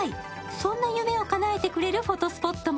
そんな夢をかなえてくれるフォトスポットも。